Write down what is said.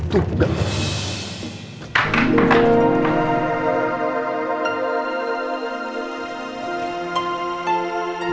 tidak ada apa apa